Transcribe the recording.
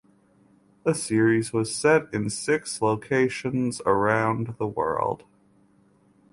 The series was set in six locations around the world.